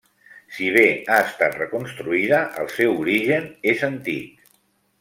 Si bé ha estat reconstruïda, el seu origen és antic.